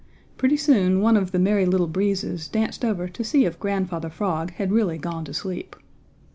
Pretty soon one of the Merry Little Breezes danced over to see if Grandfather Frog had really gone to sleep.